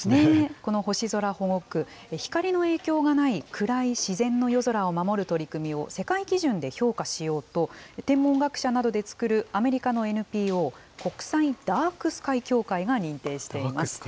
この星空保護区、光の影響がない、暗い自然の夜空を守る取り組みを、世界基準で評価しようと、天文学者などで作るアメリカのＮＰＯ国際ダークスカイ協会が認定しています。